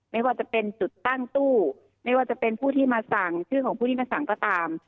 ไม่ว่าจะเป็นจุดตั้งตู้ไม่ว่าจะเป็นผู้ที่มาสั่งชื่อของผู้ที่มาสั่งก็ตาม